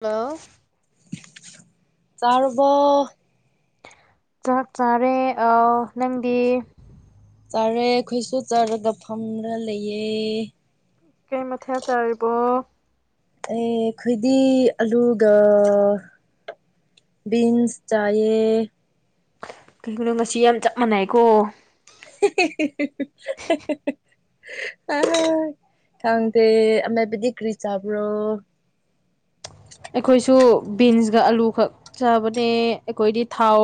hello ꯇꯥꯔꯕ ꯆꯥꯛ ꯆꯥꯔꯦ ꯅꯪꯗꯤ ꯆꯥꯔꯦ ꯑꯩꯈꯣꯏꯁꯨ ꯆꯥꯔꯒ ꯐꯝꯔ ꯂꯩꯌꯦ ꯀꯩ ꯃꯊꯦꯜ ꯆꯥꯔꯤꯕꯣ ꯑꯦ ꯑꯩꯈꯣꯏꯗꯤ ꯑꯂꯨꯒ ꯕꯤꯟꯁ ꯆꯌꯦ ꯀꯩꯒꯤꯅꯣ ꯉꯁꯤ ꯌꯥꯝ ꯆꯞ ꯃꯥꯟꯅꯩꯀꯣ [inaudible] ꯈꯪꯗꯦ ꯑꯃꯥꯏꯕꯗꯤ ꯀ꯭ꯔꯤ ꯆꯥꯕ꯭ꯔꯣ ꯑꯩꯈꯣꯏꯁꯨ ꯕꯤꯟꯁꯒ ꯑꯂꯨ ꯈꯛ ꯆꯥꯕꯅꯦ ꯑꯩꯈꯣꯏꯗꯤ ꯊꯥꯎ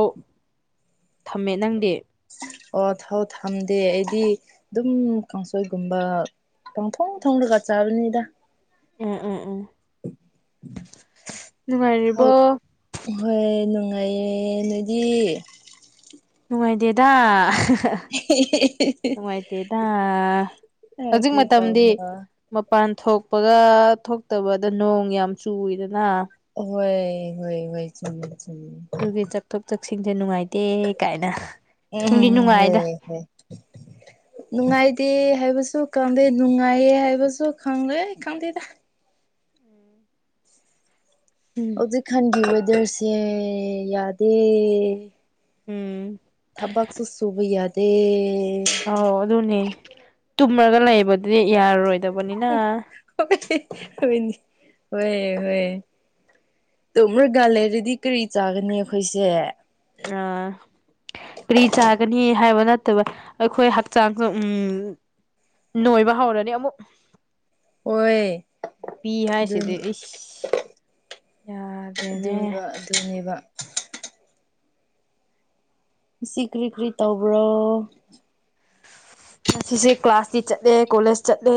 ꯊꯝꯃꯦ ꯅꯪꯗꯤ ꯑꯣ ꯊꯥꯎ ꯊꯝꯗꯦ ꯑꯩꯗꯤ ꯑꯗꯨꯝ ꯀꯥꯡꯁꯣꯏꯒꯨꯝꯕ ꯊꯪ ꯊꯣꯡ ꯎꯝ ꯊꯣꯡꯂꯒ ꯆꯥꯕꯅꯤꯗ ꯎꯝ ꯎꯝ ꯎꯝ ꯅꯨꯡꯉꯥꯏꯔꯤꯕꯣ ꯍꯧ ꯍꯣꯏ ꯅꯨꯡꯉꯥꯏꯌꯦ ꯅꯣꯏꯗꯤ ꯅꯨꯡꯉꯥꯏꯗꯦꯗ ꯅꯨꯡꯉꯥꯏꯇꯦꯗ ꯑꯦ ꯍꯧꯖꯤꯛ ꯀꯔꯤ ꯃꯇꯝꯗꯤ ꯇꯧꯕꯅꯣ ꯃꯄꯥꯟ ꯊꯣꯛꯄꯒ ꯊꯣꯛꯇꯕꯗ ꯅꯣꯡ ꯌꯥꯝ ꯆꯨꯏꯗꯅ ꯍꯣꯏ ꯍꯣꯏ ꯍꯣꯏ ꯆꯨꯝ ꯆꯨꯝ ꯆꯊꯣꯛ ꯆꯠꯁꯤꯡꯁꯦ ꯅꯨꯡꯉꯥꯏꯇꯦ ꯀꯥꯏꯅ ꯅꯨꯡꯗꯤ ꯎꯝꯝ ꯅꯨꯡꯉꯥꯏꯗ [unintelligible] [inaudible] ꯅꯨꯡꯉꯥꯏꯇꯦ ꯍꯥꯏꯕꯁꯨ ꯈꯪꯗꯦ ꯅꯨꯡꯉꯥꯏꯌꯦ ꯍꯥꯏꯕꯁꯨ ꯈꯪꯂꯦ ꯈꯪꯗꯦꯗ ꯎꯝ ꯍꯧꯖꯤꯛꯀꯥꯟꯒꯤ ꯋꯦꯗꯔꯁꯦ ꯌꯥꯗꯦ ꯎꯝ ꯊꯕꯛꯁꯨ ꯁꯨꯕ ꯌꯥꯗꯦ ꯑꯧ ꯑꯗꯨꯅꯦ ꯇꯨꯝꯃꯒ ꯂꯩꯕꯗꯨꯗꯤ ꯌꯥꯔꯔꯣꯏꯗꯕꯅꯤꯅ ꯍ ꯍ ꯍꯌꯦ ꯇꯣ ꯃ꯭ꯔꯒꯥ ꯂꯩꯔꯗꯤ ꯀꯔꯤ ꯆꯥꯒꯅꯤ ꯑꯩꯈꯣꯏꯁꯦ ꯑ ꯀꯔꯤ ꯆꯥꯒꯅꯤ ꯍꯥꯏꯕ ꯅꯠꯇꯕ ꯑꯩꯈꯣꯏ ꯍꯛꯆꯥꯡꯁꯨ ꯎꯝ ꯅꯣꯏꯕ ꯍꯧꯔꯅꯤ ꯑꯃꯨꯛ ꯍꯣꯏ ꯅꯨꯄꯤ ꯑꯗꯨ ꯍꯥꯏꯁꯤꯗꯤ ꯑꯩ ꯌꯥꯔꯦꯅꯦ ꯑꯗꯨꯒ ꯑꯗꯨꯅꯦꯕ ꯁꯤ ꯀ꯭ꯔꯤ ꯀ꯭ꯔꯤ ꯇꯧꯕ꯭ꯔꯣ ꯉꯁꯤꯁꯦ ꯀ꯭ꯂꯥꯁꯇꯤ ꯆꯠꯂꯦ ꯀꯣꯂꯦꯖ ꯆꯠꯂꯦ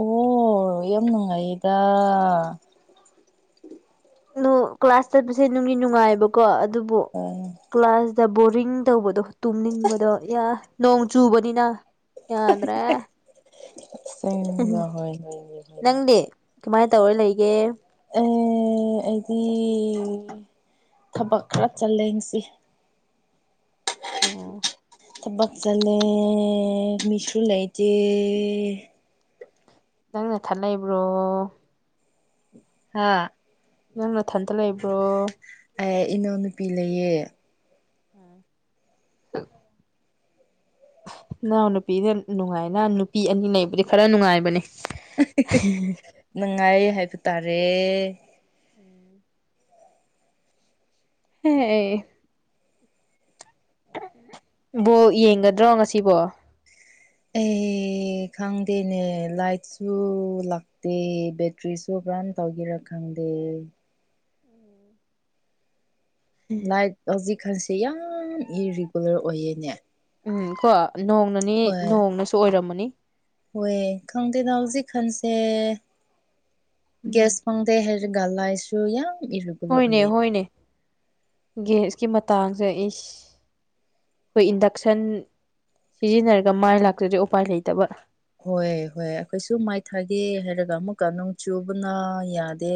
ꯑꯣ ꯌꯥꯝ ꯅꯨꯡꯉꯥꯏꯗ ꯑꯗꯨ ꯀ꯭ꯂꯥꯁ ꯆꯠꯄꯁꯦ ꯅꯨꯡꯒꯤ ꯅꯨꯡꯉꯥꯏꯕꯀꯣ ꯑꯗꯨꯕꯨ ꯍ [unintelligible] ꯀ꯭ꯂꯥꯁꯇ ꯕꯣꯔꯤꯡ ꯇꯧꯕꯗꯣ ꯇꯨꯝꯅꯤꯡꯕꯗꯣ ꯏ ꯅꯣꯡ ꯆꯨꯕꯅꯤꯅ [inaudible] ꯎ ꯍꯣꯏ ꯍꯣꯏ ꯍꯣꯏ ꯍꯣꯏ ꯅꯪꯗꯤ ꯀꯃꯥꯏꯅ ꯇꯧꯔ ꯂꯩꯒꯦ ꯑꯩꯗꯤ ꯊꯕꯛ ꯈꯔ ꯆꯜꯂꯦꯁꯤ ꯑꯣ ꯊꯕꯥꯥꯛ ꯆꯂꯦ ꯃꯤꯁ꯭ꯔꯨ ꯂꯩꯥꯏꯇꯦ ꯅꯪ ꯅꯊꯥꯟ ꯂꯩꯕ꯭ꯔꯣ ꯍꯥ ꯅꯪ ꯃꯊꯟꯇ ꯂꯩꯕ꯭ꯔꯣ ꯑꯩ ꯏꯅꯥꯎꯅꯨꯄꯤ ꯂꯩꯌꯦ ꯎꯝ ꯅꯅꯥꯎ ꯅꯨꯄꯤꯅ ꯅꯨꯡꯉꯥꯏꯅ ꯅꯨꯄꯤ ꯑꯅꯤ ꯂꯩꯕꯗꯤ ꯈꯔ ꯅꯨꯡꯉꯥꯏꯕꯅꯦ ꯅꯨꯡꯉꯥꯏ ꯍꯥꯏꯕ ꯇꯥꯔꯦ ꯎꯝ ꯍ ꯏ ꯕꯣ ꯌꯦꯡꯒꯗ꯭ꯔꯣ ꯉꯁꯤꯕꯣ ꯑꯦ ꯈꯪꯗꯦꯅꯦ ꯂꯥꯏꯠꯁꯨ ꯂꯥꯛꯇꯦ ꯕꯦꯇ꯭ꯔꯤꯁꯨ ꯀꯝ ꯇꯧꯒꯦꯔꯥ ꯈꯪꯗꯦ ꯂꯥꯏꯠ ꯍꯧꯖꯤꯛꯀꯥꯟꯁꯦ ꯌꯥꯝ ꯏꯔꯤꯒꯨꯂꯔ ꯑꯣꯏꯌꯦꯅꯦ ꯎꯝ ꯀꯣ ꯅꯣꯡꯅꯅꯤ ꯅꯣꯡꯅꯁꯨ ꯑꯣꯏꯔꯝꯃꯅꯤ ꯍꯣꯏꯑ ꯈꯪꯗꯦꯗ ꯍꯧꯖꯤꯛ ꯈꯟꯁꯦ ꯎꯝ ꯒ꯭ꯁ ꯐꯪꯗꯦ ꯍꯥꯏ ꯂꯥꯏꯁꯨ ꯌꯥ ꯏꯔ ꯍꯣꯏꯅꯦ ꯍꯣꯏꯅꯦ ꯒꯦꯁꯀꯤ ꯃꯇꯥꯡꯁꯦꯏꯁ ꯑꯩꯈꯣꯏ ꯏꯟꯗꯛꯁꯟ ꯁꯤꯖꯤꯟꯅꯔꯒ ꯃꯥꯏ ꯂꯥꯛꯇꯗꯩ ꯎꯄꯥꯏ ꯂꯩꯇꯕ꯭ꯔꯥ ꯍꯣꯏ ꯍꯣꯏ ꯑꯩꯈꯣꯏꯁꯨ ꯃꯥꯏ ꯊꯥꯒꯦ ꯍꯥꯏꯔꯒ ꯑꯃꯨꯛꯀ ꯅꯣꯡ ꯆꯨꯕꯅ ꯌꯥꯗꯦ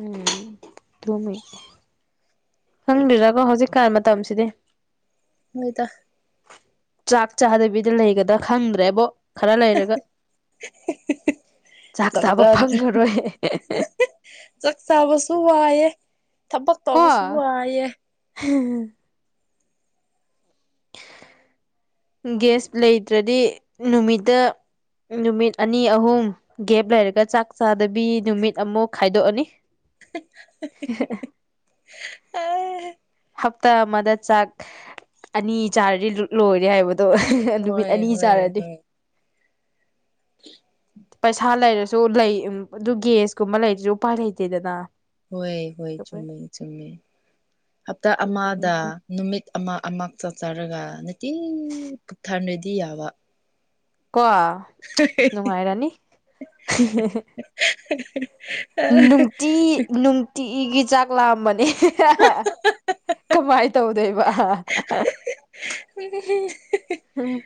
ꯎꯝ ꯊꯃꯦ ꯈꯪꯗꯔꯀꯣ ꯍꯧꯖꯤꯛꯀꯥꯟ ꯃꯇꯝꯁꯤꯗꯤ ꯅꯣꯏꯗ ꯆꯥꯛ ꯆꯥꯗꯕꯤꯗ ꯂꯩꯒꯗꯥ ꯈꯪꯗ꯭ꯔꯦꯕꯣ ꯈꯔ ꯂꯩꯔꯒ ꯆꯥꯛ ꯆꯥꯕ ꯐꯪꯉꯔꯣꯏ ꯆꯥꯛ ꯆꯥꯕꯁꯨ ꯋꯥꯏꯑꯦ ꯊꯕꯛ ꯇꯧꯕꯁꯨ ꯋꯥꯏꯑꯦ ꯍꯝ ꯒꯦꯁ ꯂꯩꯇ꯭ꯔꯗꯤ ꯅꯨꯃꯤꯠꯇ ꯅꯨꯃꯤꯠ ꯑꯅꯤ ꯑꯍꯨꯝ ꯒꯦꯞ ꯂꯩꯔꯒ ꯆꯥꯛ ꯆꯥꯗꯕꯤ ꯅꯨꯃꯤꯠ ꯑꯃꯨꯛ ꯈꯥꯏꯗꯣꯛꯑꯅꯤ ꯍ [unintelligible] ꯑꯦ ꯍꯞꯇꯥ ꯑꯃꯗ ꯆꯥꯛ ꯑꯅꯤ ꯆꯥꯔꯗꯤ ꯂꯣꯂꯣꯏꯔꯦ ꯍꯥꯏꯕ ꯗꯣ ꯅꯨꯃꯤꯠ ꯍꯣꯏ ꯑꯅꯤ ꯍꯣꯏ ꯆꯥꯔꯗꯤ ꯍꯣꯏ [inaudible] ꯄꯩꯁꯥ ꯂꯩꯔꯁꯨ ꯂꯩ ꯎꯝ ꯑꯗꯨ ꯒꯦꯁꯀꯨꯝꯕ ꯂꯩꯔꯖꯨ ꯎꯄꯥꯏ ꯂꯩꯇꯦꯗꯅ ꯍꯣꯏ ꯍꯣꯏ ꯆꯨꯝꯃꯦ ꯆꯨꯝꯃꯦ ꯍꯞꯇꯥ ꯑꯗꯨꯅꯦ ꯑꯃꯗ ꯅꯨꯃꯤꯠ ꯑꯃ ꯑꯃ ꯆꯛ ꯆꯔꯒ ꯅꯨꯡꯇꯤ ꯄꯨꯛ ꯊꯟꯔꯗꯤ ꯌꯥꯕ ꯀꯣ ꯅꯨꯡꯉꯥꯏꯔꯅꯤ [unintelligible] [unintelligible] ꯅꯨꯡꯇꯤ ꯅꯨꯡ ꯇꯤꯒꯤ ꯆꯥꯛ ꯂꯥꯝꯃꯅꯤ ꯀꯃꯥꯏ ꯇꯧꯗꯣꯏꯕ ꯍꯥ [unintelligible] ꯍꯨꯝ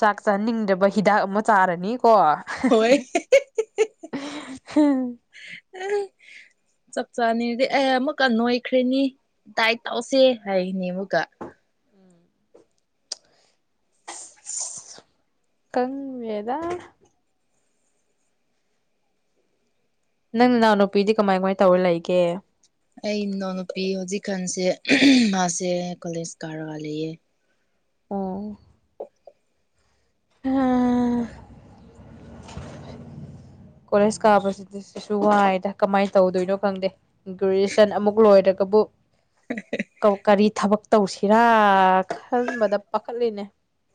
ꯆꯥꯛ ꯆꯥꯅꯤꯡꯗꯕ ꯍꯤꯗꯥꯛ ꯑꯃ ꯆꯥꯔꯅꯤꯀꯣ ꯍꯣꯏ [inaudible] ꯆꯞ ꯆꯥꯅꯤꯡꯔꯗꯤ ꯑꯩ ꯑꯃꯨꯛꯀ ꯅꯣꯏꯈ꯭ꯔ‌ꯦꯅꯤ ꯗꯥꯏꯠ ꯇꯧꯁꯦ ꯍꯥꯏꯅꯤꯕꯀ‌ꯣ ꯎꯝ ꯈꯪꯗ‌ꯦꯗꯥ ꯅꯪ ꯅꯅꯥꯎ ꯅꯨꯄꯤꯗꯤ ꯀꯃꯥꯏ ꯀꯃꯥꯏ ꯇꯧꯔ ꯂꯩꯒꯦ ꯑꯩ ꯏꯅꯥꯎꯅꯨꯄꯤ ꯍꯧꯖꯤꯛꯀꯥꯟꯁꯦ ꯃꯥꯁꯦ ꯀꯣꯂꯦꯖ ꯀꯥꯔꯒ ꯂꯩꯌꯦ ꯑꯥ [inaudible] ꯍꯥ ꯀ‌ꯣꯂ‌ꯦꯖ ꯀꯥꯕꯁꯤꯗꯤ ꯁꯤꯁꯨ ꯋꯥꯏꯗ ꯀꯃꯥꯏꯅ ꯇꯧꯗꯣꯏꯅꯣ ꯈꯪꯗꯦ ꯒ꯭ꯔꯦꯖꯨꯌꯦꯁꯟ ꯑꯃꯨꯛ ꯂꯣꯏꯔꯒꯕꯨ ꯎ [unintelligible] ꯀꯧ ꯀꯔꯤ ꯊꯕꯛ ꯇꯧꯁꯤꯔꯥ ꯈꯟꯕꯗ ꯄꯥꯈꯠꯂꯤꯅꯦ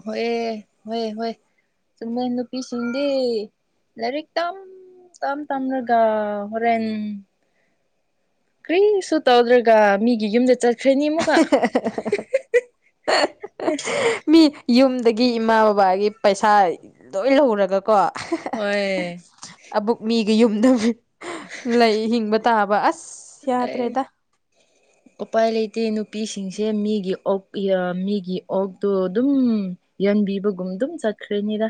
ꯍ‌ꯣꯏꯌꯦ ꯍ‌ꯣꯏ ꯍꯣꯏ ꯆꯨꯝꯃꯦ ꯅꯨꯄꯤꯁꯤꯡꯗꯤ ꯂꯥꯏꯔꯤꯛ ꯇꯝ ꯇꯝ ꯇꯝꯔꯒ ꯍꯣꯔꯦꯟ ꯀꯔꯤꯁꯨ ꯇꯧꯗ꯭ꯔꯒ ꯃꯤꯒꯤ ꯌꯨꯝꯗ ꯆꯠꯈ꯭ꯔꯅꯤ ꯑꯃꯨꯛꯀ [unintelligible] ꯃꯤ ꯌꯨꯝꯗꯒꯤ ꯏꯃꯥ ꯕꯕꯥꯒꯤ ꯄꯩꯁꯥ ꯂꯣꯏ ꯂꯧꯔꯒꯀꯣ ꯍꯣꯏ ꯑꯕꯨꯛ ꯃꯤꯒꯤ ꯌꯨꯝꯗ ꯂꯩ ꯍꯤꯡꯕ ꯇꯥꯕ ꯑꯁ ꯑꯦ [inaudible] ꯎꯄꯥꯏ ꯂꯩꯇꯦ ꯅꯨꯄꯤꯁꯤꯡꯁꯦ ꯃꯤꯒꯤ ꯑꯣꯛ ꯌꯥ ꯃꯤꯒꯤ ꯑꯣꯛꯇꯣ ꯑꯗꯨꯝ ꯌꯥꯟꯕꯤꯕꯒꯨꯝ ꯗꯨꯝ ꯆꯠꯈ꯭ꯔꯅꯤꯗ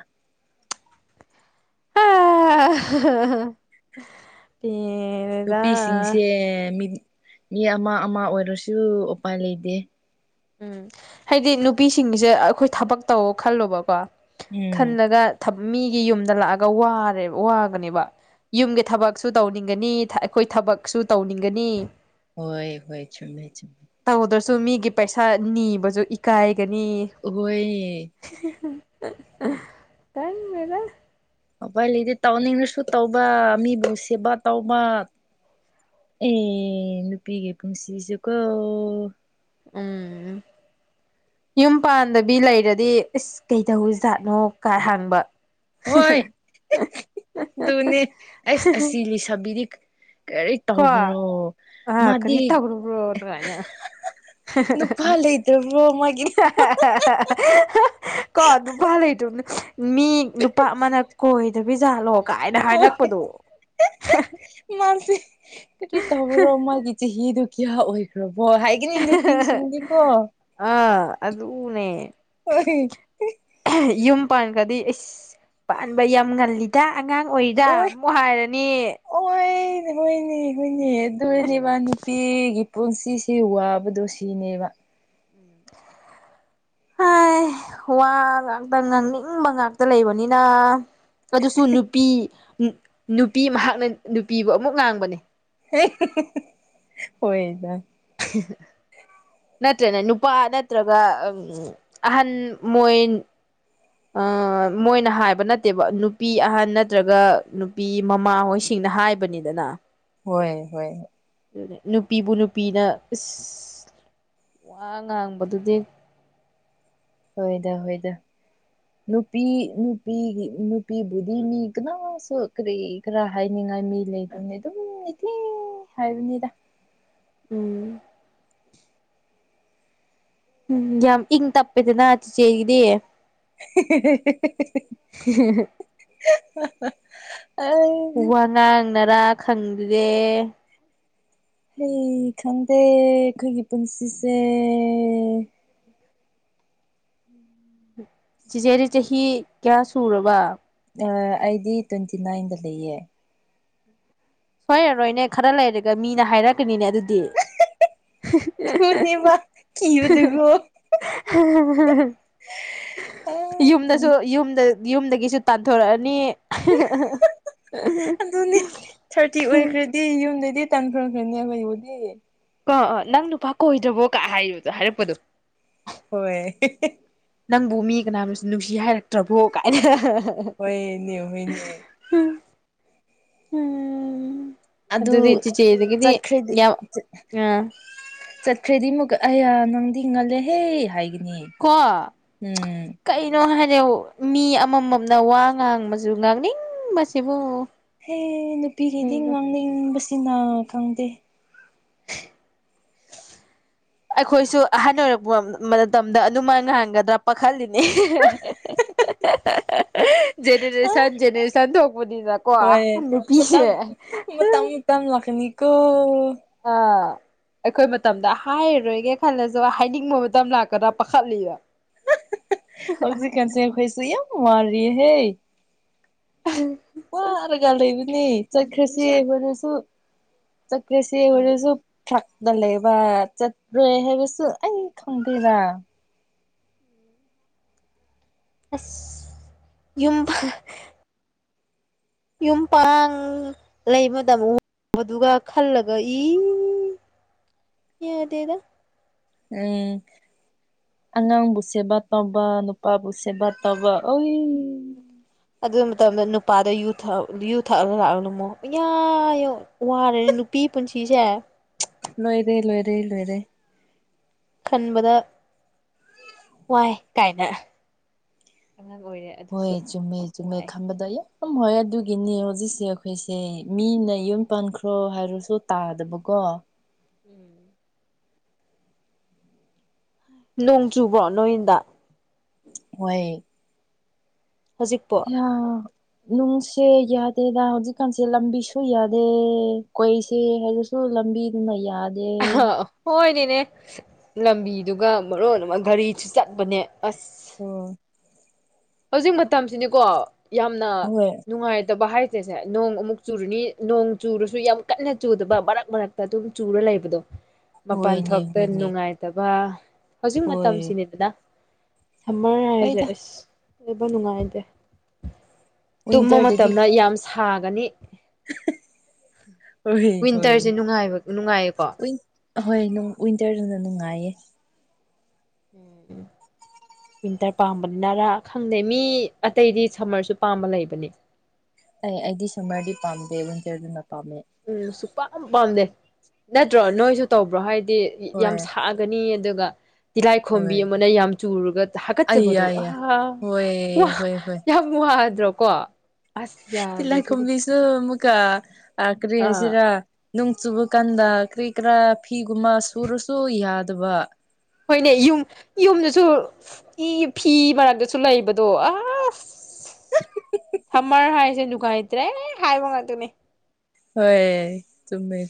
[unintelligible] ꯅꯨꯄꯤꯁꯤꯡꯁꯦ ꯃꯤ ꯃꯤ ꯑꯃ ꯑꯃ ꯑꯣꯏꯔꯁꯨ ꯎꯄꯥꯏ ꯂꯩꯗ‌ꯦ ꯎꯝ ꯍꯥꯏꯗꯤ ꯅꯨꯄꯤꯁꯤꯡꯁꯦ ꯑꯩꯈꯣꯏ ꯊꯕꯛ ꯇꯧ ꯈꯜꯂꯣꯕꯀꯣ ꯎꯝ ꯈꯜꯂꯒ ꯊ ꯃꯤꯒꯤ ꯌꯨꯝꯗ ꯂꯥꯛꯑꯒ ꯋꯥꯔꯦ ꯋꯥꯒꯅꯦꯕ ꯌꯨꯝꯒꯤ ꯊꯕꯛꯁꯨ ꯇꯧꯅꯤꯡꯒꯅꯤ ꯑꯩꯈꯣꯏ ꯊꯕꯛꯁꯨ ꯇꯧꯅꯤꯡꯒꯅꯤ ꯍꯣꯏ ꯍꯣꯏ ꯆꯨꯝꯃꯦ ꯆꯨꯝ ꯇꯧꯗ꯭ꯔꯁꯨ ꯃꯤꯒꯤ ꯄꯩꯁꯥ ꯅꯤꯕꯁꯨ ꯏꯀꯥꯏꯒꯅꯤ ꯎꯍ‌ꯣꯏ [unintelligible] ꯈꯪꯗ‌ꯦꯗ ꯑꯐꯥꯏꯂꯤꯗꯤ ꯇꯧꯅꯤꯡꯔꯁꯨ ꯇꯧꯕ ꯃꯤꯕꯨ ꯁꯦꯕꯥ ꯇꯧꯕ ꯑꯦ ꯅꯨꯄꯤꯒꯤ ꯄꯨꯟꯁꯤꯁꯦ ꯀꯣ ꯎꯝ ꯌꯨꯝ ꯄꯥꯟꯗꯕꯤ ꯂꯩꯔꯗꯤ ꯏꯁꯁ ꯀꯩꯗꯧ ꯖꯥꯠꯅꯣ ꯀꯥ ꯍꯥꯡꯕ ꯍꯣꯏ ꯑꯗꯨꯅꯦ ꯑꯁ ꯑꯁꯤ ꯂꯩꯁꯥꯕꯤꯔꯤ ꯀꯣ ꯑ ꯃꯥꯗꯤ ꯀꯔꯤꯇꯥꯒꯅ ꯀꯥꯏꯅ ꯅꯨꯄꯥ ꯂꯩꯇ꯭ꯔꯕ꯭ꯔꯣ ꯃꯥꯒꯤ ꯀ ꯇ ꯐꯜꯦ ꯇꯅ ꯃꯤ ꯅꯨꯄꯥ ꯑꯃꯅ ꯀꯣꯏꯗꯕꯤ ꯖꯥꯠꯂꯣ ꯀꯥꯏꯅ ꯍꯥꯏꯔꯛꯄꯗꯣ ꯃꯥꯁꯦ ꯀ ꯇꯕ꯭ꯔꯣ ꯃꯥꯒꯤꯆ ꯍꯤ ꯗꯨ ꯀꯌꯥ ꯑꯣꯏꯈ꯭ꯔꯕꯣ ꯍꯥꯏ ꯀꯗꯨ ꯄꯤ ꯁꯤꯗꯤ ꯀꯣ ꯑꯥ ꯑꯗꯅꯦꯦ ꯍ ꯌꯨꯝ ꯄꯥꯟꯕꯥꯟꯈꯗꯤ ꯑꯁ ꯄꯥꯟꯕ ꯌꯥꯝ ꯉꯜꯂꯤ ꯏꯗ ꯑꯉꯥꯡ ꯑꯣꯏꯔꯤꯗ ꯑꯃꯨꯛ ꯍꯥꯏꯔꯅꯤ ꯑꯣꯏꯅꯦ ꯍꯣꯏꯅꯦ ꯍꯣꯏꯅꯦ ꯑꯗꯨꯅꯦꯕ ꯅꯨꯄꯤꯒꯤ ꯄꯨꯟꯁꯤꯁꯤ ꯋꯥꯕꯗꯣ ꯁꯤꯅꯦꯕ ꯎꯝ ꯍꯥꯏ ꯋꯥ ꯉꯥꯛꯇ ꯉꯥꯡꯅꯤꯡꯕ ꯉꯥꯛꯇ ꯂꯩꯕꯅꯤꯅ ꯑꯗꯨꯁꯨ ꯅꯨꯄꯤ ꯅꯨꯄꯤ ꯃꯍꯥꯛꯅ ꯅꯨꯄꯤꯕꯨ ꯑꯃꯨꯛ ꯉꯥꯡꯕꯅꯦ ꯑꯣꯏꯣꯏꯗ [inaudible] ꯅꯠꯇ꯭ꯔꯅ ꯅꯨꯄꯥ ꯅꯠꯇ꯭ꯔꯒ ꯑꯍꯟ ꯃꯣꯏ ꯑ ꯃꯣꯏꯅ ꯍꯥꯏꯕ ꯅꯠꯇꯦꯕ ꯅꯨꯄꯤ ꯑꯍꯟ ꯅꯠꯇ꯭ꯔꯒ ꯅꯨꯄꯤ ꯃꯃꯥꯍꯣꯏꯁꯤꯡꯅ ꯍꯥꯏꯕꯅꯤꯗꯅ ꯍꯣꯏ ꯍꯣꯏ ꯑꯗꯨ ꯅꯨꯄꯤꯕꯨ ꯅꯨꯄꯤꯅ ꯏꯁ ꯋꯥ ꯉꯥꯡꯕꯗꯨꯗꯤ ꯍꯣꯏꯗ ꯍꯣꯏꯗ ꯅꯨꯄꯤ ꯅꯨꯄꯤ ꯅꯨꯄꯤꯕꯨꯙꯅꯤ ꯀꯅꯥ ꯁꯣꯈ꯭ꯔ ꯈꯔ ꯍꯥꯏꯅꯤꯡꯉꯥꯏ ꯃꯤ ꯂꯩꯇꯕꯅꯤ ꯑꯗꯨꯝ ꯏꯊꯤ ꯍꯥꯏꯕꯅꯤꯗ ꯎꯝ ꯎꯝ ꯌꯥꯝ ꯏꯪ ꯇꯞꯄꯦꯗꯅ ꯆꯤꯆꯦꯒꯤꯗꯤ [inaudible] [inaudible] ꯑ ꯎ ꯋꯥ ꯉꯥꯡꯅꯔꯥ ꯈꯪꯗꯦ ꯑꯩꯩ ꯈꯪꯗꯦ ꯑꯩꯈꯣꯏꯒꯤ ꯄꯨꯟꯁꯤꯁꯦ ꯆꯤꯆꯦꯗꯤ ꯆꯍꯤ ꯀꯌꯥ ꯁꯨꯔꯕ ꯑꯩꯗꯤ ꯇ꯭ꯋꯦꯟꯇꯤ ꯅꯥꯏꯟꯗ ꯂꯩꯌꯦ ꯁꯣꯏꯔꯔꯣꯏꯅꯦ ꯈꯔ ꯂꯩꯔꯒ ꯃꯤꯅ ꯍꯥꯏꯔꯛꯀꯅꯤꯅꯦ ꯑꯗꯨꯗꯤ ꯊꯨꯅꯦꯕ ꯀꯤꯕꯗꯨꯒꯣ ꯑꯥ ꯀꯤ ꯌꯨꯝꯗꯁꯨ ꯌꯨꯝꯗ ꯌꯨꯝꯗꯒꯤꯁꯨ ꯇꯥꯟꯊꯣꯔꯛꯑꯅꯤ ꯑꯗꯨꯅꯤ ꯊꯥꯔꯇꯤ ꯑꯣꯏꯈ꯭ꯔꯗꯤ ꯌꯨꯝꯗꯩꯗꯤ ꯇꯥꯟꯊꯈ꯭ꯔꯅꯤ ꯑꯩꯌꯩꯕꯨꯗꯤ ꯑ ꯑ ꯅꯪ ꯅꯨꯄꯥ ꯀꯣꯏꯗ꯭ꯔꯕꯣ ꯀ ꯍꯥꯏꯌꯨꯗꯣ ꯍꯥꯏꯔꯛꯄꯗꯣ ꯍꯣꯏ ꯅꯪꯕꯨ ꯃꯤ ꯀꯅꯥꯅꯁꯨ ꯅꯨꯡꯁꯤ ꯍꯥꯏꯔꯛꯇ꯭ꯔꯕꯣ ꯀꯥꯏꯅ ꯍꯣꯏꯅꯦ ꯍꯣꯏꯅꯦ [unintelligible] ꯎꯝ ꯎꯝ ꯑꯗꯨ ꯑꯗꯨꯇꯆꯒꯗꯤ ꯑ ꯆꯠꯈ꯭ꯔꯦꯗꯤ ꯑꯃꯨꯛ ꯑꯍ ꯅꯪꯗꯤ ꯉꯜꯂꯦꯍꯦ ꯍꯥꯏꯒꯅꯤ ꯀ ꯎꯝ ꯀꯩꯅꯣ ꯍꯥꯏꯔ ꯃꯤ ꯑꯃꯃꯝꯅ ꯋꯥ ꯉꯥꯡꯕꯁꯨ ꯉꯥꯡꯅꯤꯡꯕꯁꯤꯕꯨ ꯍꯦ ꯅꯨꯄꯤꯒꯤꯗꯤ ꯀꯩꯅꯣ ꯉꯥꯡꯅꯤꯡꯕꯁꯤꯅ ꯈꯪꯗꯦ [inaudible] [inaudible] ꯑꯩꯈꯣꯏꯁꯨ ꯑꯍꯟ ꯑꯣꯏꯔꯛꯄ ꯃꯇꯝꯗ ꯑꯗꯨꯃ ꯉꯥꯡꯒꯗ꯭ꯔꯥ ꯄꯥꯈꯜꯂꯤꯅꯦ ꯑ ꯖꯅꯦꯔꯦꯁꯟ ꯖꯅꯦꯔꯦꯁꯟ ꯊꯣꯛꯕꯨꯗꯤꯖ ꯀ ꯍꯣꯏ ꯅꯨꯄꯤ ꯇꯝ ꯂꯛꯈꯃꯤ ꯀꯣ ꯑꯥ ꯑꯩꯈꯣꯏ ꯃꯇꯝꯗ ꯍꯥꯏꯔꯔꯣꯏꯒꯦ ꯈꯜꯂꯁꯨ ꯍꯥꯏꯅꯤꯡꯕ ꯃꯇꯝ ꯂꯥꯛꯀꯗ꯭ꯔꯥ ꯄꯥꯈꯠꯂꯤꯕ [inaudible] ꯑꯣꯖꯤ ꯀꯁꯤ ꯈꯣꯏꯁꯤ ꯌꯥꯝ ꯃꯥꯔꯤꯌꯦ ꯍꯦ ꯎꯝ ꯋꯥꯔꯒ ꯂꯩꯅꯤ ꯆꯈꯁꯤꯕꯅꯤꯁꯨ ꯆ ꯎꯝ ꯀꯁꯤꯒ ꯁ ꯊ ꯗ ꯂꯩꯕ ꯆꯠ ꯔꯣꯏ ꯍꯥꯏꯕꯁꯨ ꯑꯩ ꯈꯪꯗꯦꯗ ꯑꯁ ꯌꯨꯝ ꯌꯨꯝ ꯄꯥꯡ ꯂꯩ ꯃꯇꯝꯗ ꯎꯕꯗꯨꯒ ꯈꯜꯂꯒ ꯏ ꯌꯦꯗꯗ ꯎꯝ ꯑꯉꯥꯡꯕꯨꯁꯦꯕꯥ ꯇꯧꯕ ꯅꯨꯄꯥꯕꯨꯁꯦꯕꯥ ꯇꯧꯕ ꯑꯣꯏ ꯑꯗꯨ ꯃꯇꯝꯗ ꯅꯨꯄꯥꯗꯨ ꯌꯨ ꯊꯛ ꯌꯨꯊꯛꯑꯒ ꯂꯥꯛꯂꯝꯅꯨ ꯑꯌꯥ ꯌꯣ ꯋꯥꯔꯦꯅꯦ ꯅꯨꯄꯤ ꯄꯨꯟꯁꯤꯁꯦ ꯂꯣꯏꯔꯦ ꯂꯣꯏꯔꯦ ꯂꯣꯏꯔꯦ ꯈꯟꯕꯗ ꯋꯥꯏ ꯀꯥꯏꯅ ꯑꯉꯥꯡ ꯑꯣꯏꯔꯦ ꯍꯣꯏ ꯑꯗꯨꯁꯨ ꯆꯨꯝꯃꯦ ꯆꯨꯝꯃꯦ ꯋꯥꯏ ꯈꯪꯕꯗ ꯑꯝ ꯍꯣꯏ ꯑꯗꯨꯒꯤꯅꯤ ꯍꯧꯖꯤꯛꯁꯦ ꯑꯩꯈꯣꯏꯁꯦ ꯃꯤꯅ ꯌꯨꯝ ꯄꯥꯟꯈ꯭ꯔꯣ ꯍꯥꯏꯔꯁꯨ ꯇꯥꯗꯕꯀꯣ [inaudible] ꯅꯣꯡ ꯆꯨꯕ꯭ꯔꯣ ꯅꯣꯏꯗ ꯍꯣꯏ ꯍꯧꯖꯤꯛꯄꯣ ꯌꯥ ꯅꯨꯡꯁꯦ ꯌꯥꯗꯦꯗ ꯍꯧꯖꯤꯛꯀꯥꯟꯁꯦ ꯂꯝꯕꯤ ꯁꯨ ꯌꯥꯗꯦ ꯀꯣꯏꯁꯦ ꯍꯥꯏ ꯁ ꯂꯝꯕꯤꯗꯨꯅ ꯌꯥꯗ ꯍꯣꯏꯅꯦꯅꯦ ꯂꯝꯕꯤꯗꯨꯒ ꯃꯔꯣꯟ ꯑꯃ ꯒꯥꯔꯤꯁꯨ ꯆꯠꯄꯅꯦ ꯑꯁ ꯑꯣ ꯍꯧꯖꯤꯛ ꯃꯇꯝꯁꯤꯅꯤꯀꯣ ꯌꯥꯝꯅ ꯍꯣꯏ ꯅꯨꯡꯉꯥꯏꯇꯕ ꯍꯥꯏ ꯆꯦꯁꯦ ꯅꯣꯡ ꯑꯃꯨꯛ ꯆꯨꯔꯨꯅꯤ ꯅꯣꯡ ꯆꯨꯔꯁꯨ ꯌꯥꯝ ꯀꯟꯅ ꯆꯨꯗꯕ ꯃꯔꯛ ꯃꯔꯛꯇ ꯑꯗꯨꯝ ꯆꯨꯔ ꯂꯩꯕꯗꯣ ꯃꯄꯥꯟ ꯍꯣꯏꯅꯦ ꯊꯣꯛꯇ ꯍꯣꯏꯅꯦ ꯅꯨꯡꯉꯥꯏ ꯅꯠꯇꯕ ꯍꯧꯖꯤꯛ ꯍꯣꯏ ꯃꯇꯝꯁꯤꯅꯤꯗꯅ ꯁꯝꯃꯔ ꯍꯥꯏꯔꯁꯦ ꯍꯣꯏꯗ ꯑꯁ ꯂꯩꯕ ꯅꯨꯡꯉꯥꯏꯇꯦ ꯇꯨꯝꯕ ꯋꯤꯟꯇꯔꯗꯗꯤ ꯃꯇꯝꯗ ꯌꯥꯝ ꯁꯥꯒꯅꯤ ꯍꯣꯏ ꯍꯣꯏ ꯋꯤꯟꯇꯔꯁꯦ ꯅꯨꯡꯉꯥꯏꯕ ꯅꯨꯡꯉꯥꯏꯌꯦꯀꯣ ꯑꯍꯣꯏ ꯋꯤꯟꯇꯔꯗꯨꯅ ꯅꯨꯡꯉꯥꯏꯌꯦ ꯎꯝ ꯋꯤꯟꯇꯔ ꯄꯥꯝꯕꯅꯤꯅꯔꯥ ꯈꯪꯗꯩ ꯃꯤ ꯑꯇꯩꯗꯤ ꯁꯝꯃꯔꯁꯨ ꯄꯥꯝꯕ ꯂꯩꯕꯅꯤ ꯑꯦ ꯑꯩꯗꯤ ꯁꯝꯃꯔꯗꯤ ꯄꯥꯝꯗꯦ ꯋꯤꯟꯇꯔꯗꯨꯅ ꯄꯥꯝꯃꯦ ꯎꯝ ꯁꯨꯛ ꯄꯥꯝ ꯄꯥꯝꯗꯦ ꯅꯠꯇ꯭ꯔꯣ ꯅꯣꯏꯁꯨ ꯇꯧꯕ꯭ꯔꯣ ꯍꯥꯏꯗꯤ ꯍꯣꯏ ꯌꯥꯝ ꯁꯥ ꯒꯅꯤ ꯑꯗꯨꯒ ꯇꯤꯂꯥꯏꯈꯣꯝꯕꯤ ꯍꯣꯏ ꯑꯃꯅ ꯌꯥꯝ ꯆꯨꯔꯒ ꯑꯩ ꯍꯥꯀꯠꯆꯕꯗꯣ ꯌꯥꯏ ꯑ ꯍꯣꯏ ꯋꯥ ꯌꯥꯗ꯭ꯔꯣ ꯀꯣ ꯇꯤꯂꯥꯢꯈꯣꯝꯕꯤꯁꯨ ꯃꯨꯀꯥ ꯑ ꯀ꯭ꯔꯤ ꯑꯥ ꯍꯥꯏꯁꯤꯔꯥ ꯅꯣꯡ ꯆꯨꯕ ꯀꯥꯟꯗ ꯀꯔꯤ ꯀꯔꯥ ꯐꯤꯒꯨꯝꯕ ꯁꯨꯔꯁꯨ ꯌꯥꯗꯕ ꯍꯣꯏꯅꯦ ꯌꯨꯝ ꯌꯨꯝꯗꯁꯨ ꯏ ꯐꯤ ꯃꯔꯛꯇꯁꯨ ꯂꯩꯕꯗꯣ ꯑꯁ ꯐꯥꯝꯃꯔ ꯍꯥꯏꯁꯦ ꯗꯨꯉꯥꯏꯇ꯭ꯔꯦ ꯍꯥꯏꯕ ꯉꯥꯛꯇꯅꯦ ꯍꯣꯏ ꯆꯨꯝꯃꯦ ꯆꯨꯝꯃꯦ